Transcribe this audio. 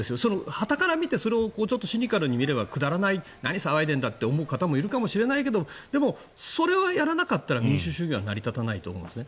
はたから見てそれをシニカルに見ればくだらない何騒いでるんだって思う方もいるかもしれないけどでも、それをやらなかったら民主主義は成り立たないと思います。